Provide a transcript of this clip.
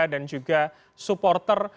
dan juga supporter